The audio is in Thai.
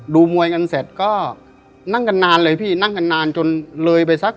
ดูมวยกันเสร็จก็นั่งกันนานเลยพี่นั่งกันนานจนเลยไปสัก